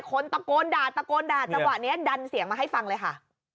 คนตะโกนด่าตะโกนด่าจังหวะนี้ดันเสียงมาให้ฟังเลยค่ะ